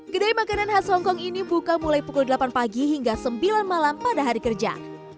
kedai makanan khas hongkong ini buka mulai pukul delapan pagi hingga sembilan malam pada hari kerja